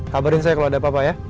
kabarin saya kalau ada apa apa ya